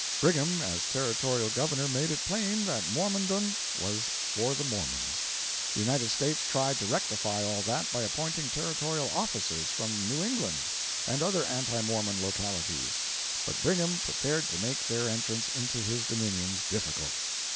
Brigham as Territorial Governor made it plain that Mormondom was for the Mormons. The United States tried to rectify all that by appointing territorial officers from New England and other anti Mormon localities, but Brigham prepared to make their entrance into his dominions difficult.